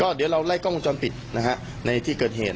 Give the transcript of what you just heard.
เดี๋ยวเราไล่กล้องวงจรปิดนะฮะในที่เกิดเหตุ